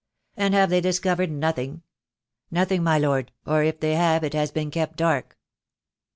"And have they discovered nothing?" "Nothing, my Lord — or if they have it has been kept dark."